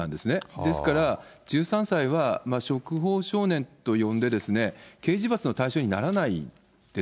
ですから１３歳は触法少年と呼んで、刑事罰の対象にならないんです。